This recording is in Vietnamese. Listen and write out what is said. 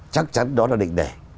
chắc chắn đó là định đề